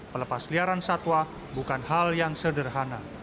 pelepasliaran satwa bukan hal yang sederhana